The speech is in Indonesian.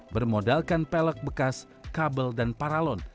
bermodalkan pelek bekas kabel dan paralon